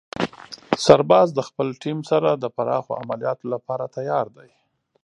سرباز د خپلې ټیم سره د پراخو عملیاتو لپاره تیار دی.